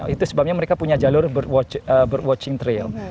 itu sebabnya mereka punya jalur watching trail